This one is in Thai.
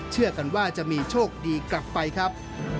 เชื่อกันว่าจะมีโชคดีกลับไปครับ